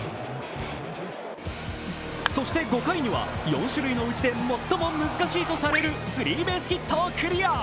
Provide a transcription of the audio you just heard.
そして、５回には４種類のうちで最も難しいとされるスリーベースヒットをクリア。